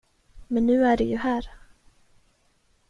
Men nu är du ju här.